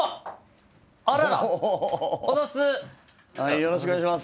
よろしくお願いします。